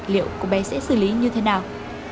liệu cậu bé sẽ xử lý như thế nào